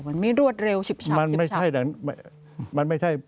ไม่ได้รวดเร็วชิบชับ